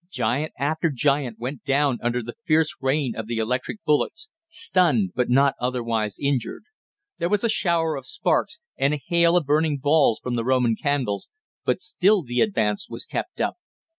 Giant after giant went down under the fierce rain of the electric bullets, stunned, but not otherwise injured. There was a shower of sparks, and a hail of burning balls from the Roman candles, but still the advance was kept up.